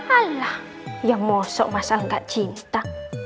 alah yang mosok mas al gak cinta